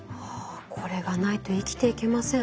これがないと生きていけません。